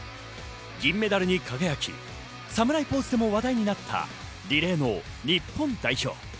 銀メダルに輝き、侍ポーズでも話題になったリレーの日本代表。